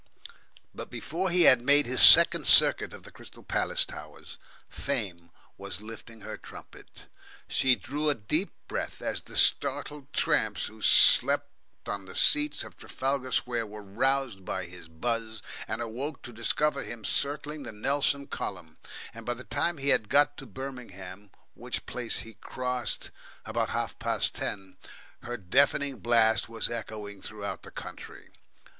But before he had made his second circuit of the Crystal Palace towers, Fame was lifting her trumpet, she drew a deep breath as the startled tramps who sleep on the seats of Trafalgar Square were roused by his buzz and awoke to discover him circling the Nelson column, and by the time he had got to Birmingham, which place he crossed about half past ten, her deafening blast was echoing throughout the country.